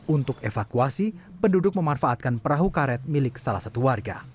untuk evakuasi penduduk memanfaatkan perahu karet milik salah satu warga